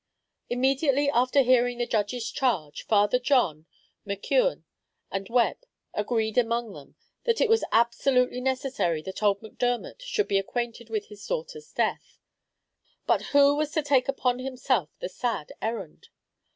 Immediately after hearing the judge's charge, Father John, McKeon, and Webb agreed among them that it was absolutely necessary that old Macdermot should be acquainted with his daughter's death; but who was to take upon himself the sad errand!